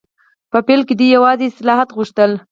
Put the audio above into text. په پیل کې دوی یوازې اصلاحات غوښتل.